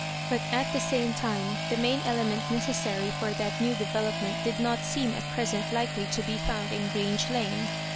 But at the same time, the main element necessary for that new develop ment did not seem at present likely to be found in Grange Lane.